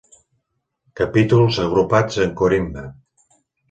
Capítols agrupats en corimbe.